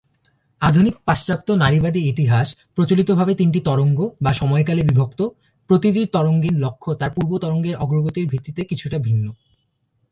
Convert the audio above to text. আধুনিক পাশ্চাত্য নারীবাদী ইতিহাস প্রচলিতভাবে তিনটি "তরঙ্গ" বা সময়কালে বিভক্ত, প্রতিটি তরঙ্গের লক্ষ্য তার পূর্ব তরঙ্গের অগ্রগতির ভিত্তিতে কিছুটা ভিন্ন।